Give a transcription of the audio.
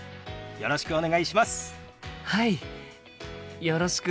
よろしくお願いします。